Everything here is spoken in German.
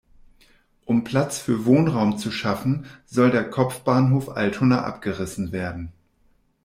Um Platz für Wohnraum zu schaffen, soll der Kopfbahnhof Altona abgerissen werden.